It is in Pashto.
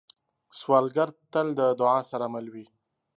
سوالګر تل د دعا سره مل وي